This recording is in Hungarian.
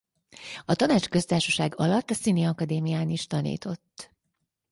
A Tanácsköztársaság alatt a Színiakadémián is tanított.